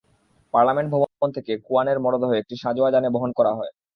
Parliament ভবন থেকে কুয়ানের মরদেহ একটি সাঁজোয়া যানে বহন করা হয়।